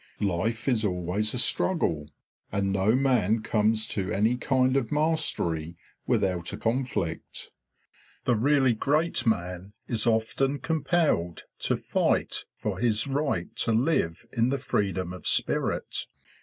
Life is always a struggle, and no man comes to any kind of mastery without a conflict. The really great man is often compelled to light for his right to live in the freedom of spirit.